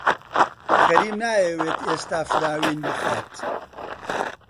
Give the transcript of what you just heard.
کەریم نایەوێت ئێستا فراوین بخوات.